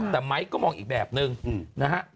แต่ไมค์ก็มองอีกแบบนึงนะฮะ